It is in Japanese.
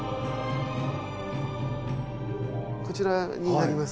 こちらになります。